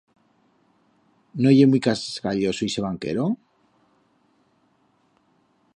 No ye muit cascalloso ixe banquero?